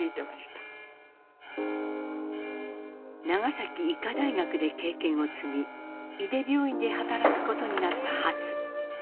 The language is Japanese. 長崎医科大学で経験を積み井手病院で働くことになったハツ。